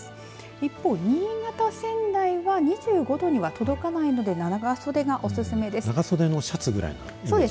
一方、新潟、仙台は２５度には届かないので長袖がおすすめです。